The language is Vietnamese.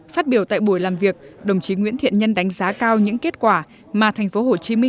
phát biểu tại buổi làm việc đồng chí nguyễn thiện nhân đánh giá cao những kết quả mà tp hcm